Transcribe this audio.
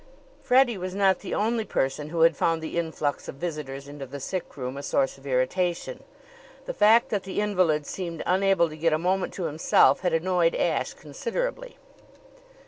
Freddie was not the only person who had found the influx of visitors into the sick room a source of irritation. The fact that the invalid seemed unable to get a moment to himself had annoyed Ashe considerably.